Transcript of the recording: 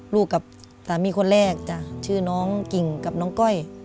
กับสามีคนแรกจ้ะชื่อน้องกิ่งกับน้องก้อย